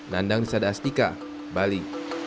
nandang di sada astika bali